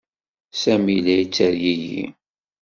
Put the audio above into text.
Sami la yettergigi.